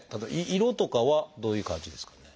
色とかはどういう感じですかね？